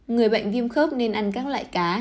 người bệnh viêm khớp nên ăn các loại cá